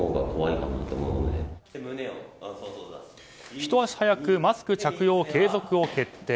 ひと足早くマスク着用継続を決定。